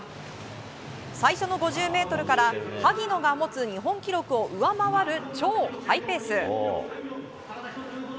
最初の５０ｍから萩野が持つ日本記録を上回る超ハイペース。